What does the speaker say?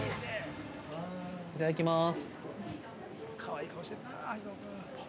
◆いただきます。